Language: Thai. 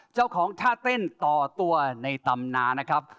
เจ้าของท่าเต้นต่อตัวในตำนานนะครับ